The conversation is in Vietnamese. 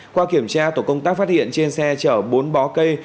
qua kiểm tra tổ công tác phát hiện trên xe chở bốn bó cây